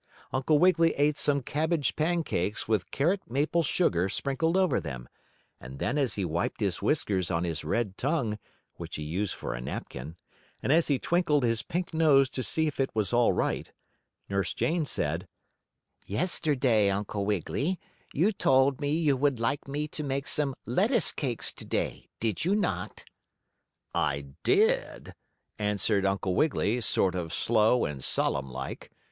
Uncle Wiggily ate some cabbage pancakes with carrot maple sugar sprinkled over them, and then as he wiped his whiskers on his red tongue, which he used for a napkin, and as he twinkled his pink nose to see if it was all right, Nurse Jane said: "Yesterday, Uncle Wiggily, you told me you would like me to make some lettuce cakes today; did you not?" "I did," answered Uncle Wiggily, sort of slow and solemn like.